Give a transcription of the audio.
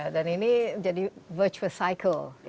dan ini menjadi virtual cycle